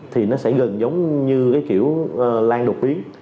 thì nó sẽ gần giống như cái kiểu lan đột biến